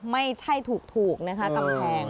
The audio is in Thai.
ไม่ใช่ถูกนะคะกำแพง